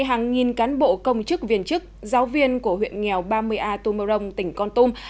hàng nghìn cán bộ công chức viên chức giáo viên của huyện nghèo ba mươi a tumorong tỉnh con tum